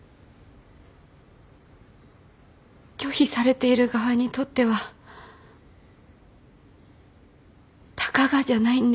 拒否されている側にとってはたかがじゃないんです。